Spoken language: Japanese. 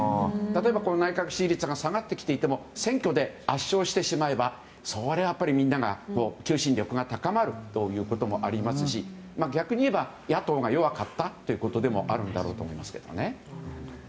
例えば内閣支持率が下がってきていても選挙で圧勝してしまえばそれはやっぱりみんなが求心力が高まるということもありますし逆に言えば野党が弱かったということでもあるんだと思いますね。